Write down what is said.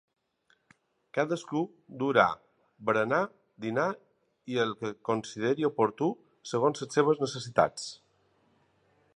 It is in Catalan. Cadascú es portarà esmorzar, dinar i el que considere oportú segons les seues necessitats.